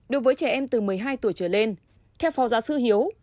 đối với trẻ em từ một mươi hai tuổi trở lên theo phó giáo sư hiếu